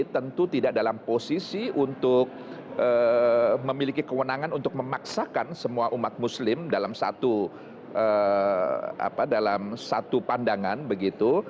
tentu tidak dalam posisi untuk memiliki kewenangan untuk memaksakan semua umat muslim dalam satu pandangan begitu